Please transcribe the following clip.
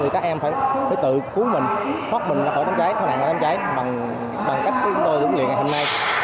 các em phải tự cứu mình thoát mình ra khỏi đánh cháy bằng cách chúng tôi dùng liền ngày hôm nay